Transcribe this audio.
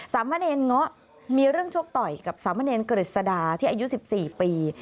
สามเมินเอนเงาะมีเรื่องโชคต่อยกับสามเมินเอนเกริษดาที่อายุ๑๔ปี